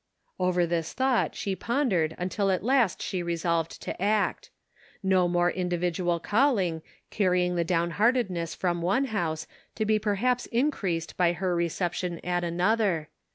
Over this thought she pondered until at last she resolved to act. No more individual calling, carrying the downheartedness from one house to be perhaps increased by her reception at another.